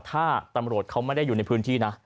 ถ้าตำรวจเขาไม่ได้อยู่ในพื้นที่นะ